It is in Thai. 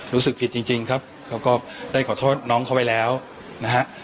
รู้สึกผิดจริงครับแล้วก็ได้ขอโทษน้องเขาไปแล้วนะฮะ